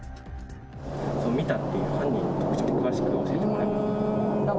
見たっていう犯人の特徴とか詳しく教えてもらえますか。